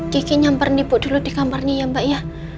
ki ki nyamperin ibu dulu di kamarnya ya mbak ya